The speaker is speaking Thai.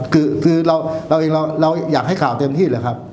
คือคือเราเราเองเราเราอยากให้ข่าวเต็มที่เลยครับ